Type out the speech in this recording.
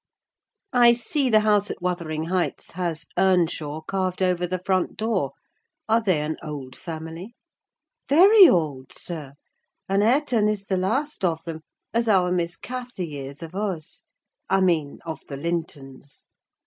"I see the house at Wuthering Heights has 'Earnshaw' carved over the front door. Are they an old family?" "Very old, sir; and Hareton is the last of them, as our Miss Cathy is of us—I mean, of the Lintons.